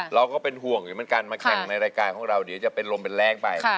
เราก็เป็นห่วงอยู่เหมือนกันมาแข่งในรายการของเราเดี๋ยวจะเป็นลมเป็นแรงไป